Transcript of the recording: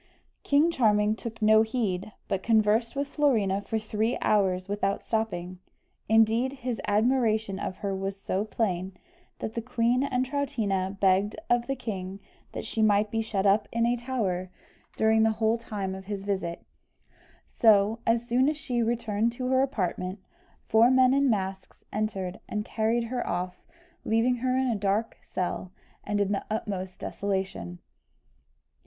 King Charming took no heed, but conversed with Florina for three hours without stopping. Indeed, his admiration of her was so plain, that the queen and Troutina begged of the king that she might be shut up in a tower during the whole time of his visit; so, as soon as she had returned to her apartment, four men in masks entered, and carried her off, leaving her in a dark cell, and in the utmost desolation.